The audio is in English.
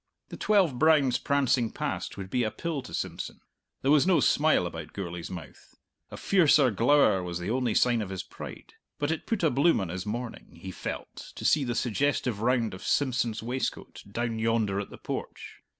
The twelve browns prancing past would be a pill to Simpson! There was no smile about Gourlay's mouth a fiercer glower was the only sign of his pride but it put a bloom on his morning, he felt, to see the suggestive round of Simpson's waistcoat, down yonder at the porch.